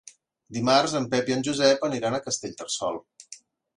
Dimarts en Pep i en Josep aniran a Castellterçol.